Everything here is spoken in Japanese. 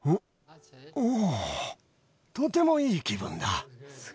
うーん、とてもいい気分だ。